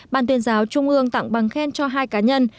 ban tuyên giáo trung ương tặng bằng khen cho hai cá nhân